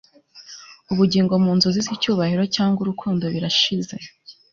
ubugingo mu nzozi zicyubahiro cyangwa urukundo birashize